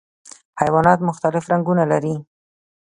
حیوانات مختلف رنګونه لري.